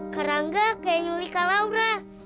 karangga kayak nyulik kak laura